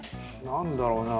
何だろうな？